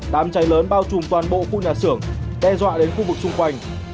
đám cháy lớn bao trùm toàn bộ khu nhà xưởng đe dọa đến khu vực xung quanh